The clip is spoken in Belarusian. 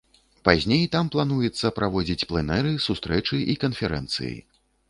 Пазней там плануецца праводзіць пленэры, сустрэчы і канферэнцыі.